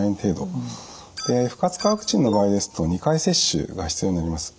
不活化ワクチンの場合ですと２回接種が必要になります。